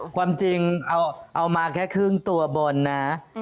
ความจริงเอามาแค่ครึ่งตัวบนนะ